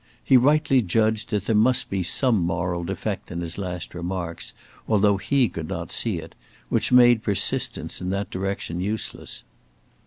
He rightly judged that there must be some moral defect in his last remarks, although he could not see it, which made persistence in that direction useless.